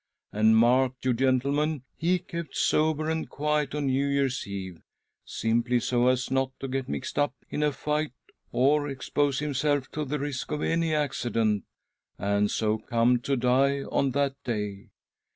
And mark you, gentlemen, he kept sober and quiet on New Year's Eve simply so as not to get mixed up in a fight, or expose himself to the risk of any accident, and so come to die on that day.